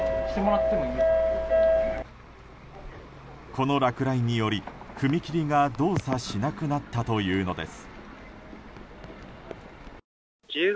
この落雷により、踏切が動作しなくなったというのです。